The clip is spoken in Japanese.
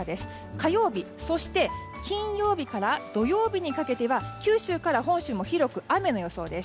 火曜日、そして金曜日から土曜日にかけては九州から本州も広く雨の予想です。